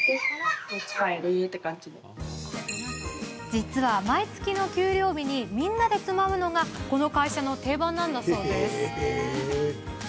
実は、毎月の給料日にみんなでつまむのがこの会社の定番なんだそうです。